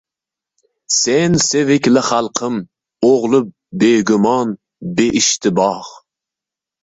Sen sevikli xalqim o’g’li begumon, beishtiboh.